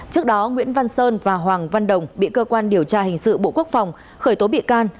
trước đó nguyễn văn sơn và hoàng văn đồng bị cơ quan điều tra hình sự bộ quốc phòng khởi tố bị can